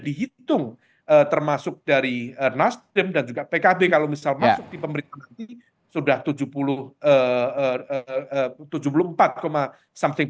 dihitung termasuk dari nasdem dan juga pkb kalau misal masuk di pemerintahan nanti sudah tujuh puluh empat something